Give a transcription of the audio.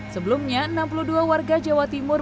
sebelumnya enam puluh dua warga jawa timur